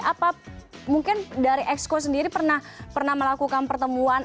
apa mungkin dari exco sendiri pernah melakukan pertemuan